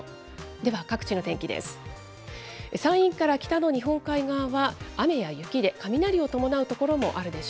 では各地の天気です。